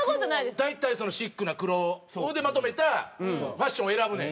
大体シックな黒でまとめたファッションを選ぶねん。